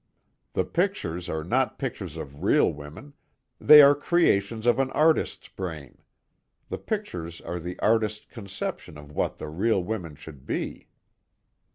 "The pictures are not pictures of real women, they are creations of an artist's brain. The pictures are the artist's conception of what the real women should be."